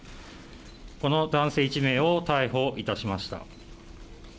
この男性１名を逮捕いたしました。